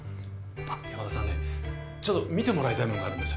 あっ山田さんねちょっと見てもらいたいものがあるんです。